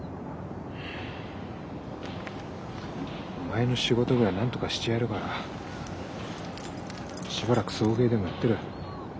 お前の仕事ぐらいなんとかしてやるからしばらく送迎でもやってろよ。